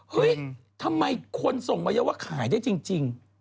เฮ้ยทำไมคนส่งมาเยอะว่าขายได้จริง